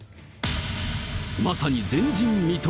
まさに前人未到。